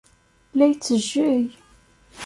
La yettejjey.